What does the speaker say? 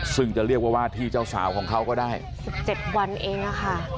ซึ่งจะเรียกว่าว่าที่เจ้าสาวของเขาก็ได้๑๗วันเองอะค่ะ